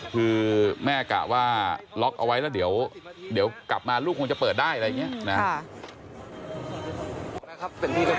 คือแม่กะว่าล็อกเอาไว้แล้วเดี๋ยวกลับมาลูกคงจะเปิดได้อะไรอย่างนี้นะ